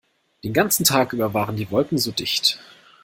Den ganzen Tag über waren die Wolken so dicht.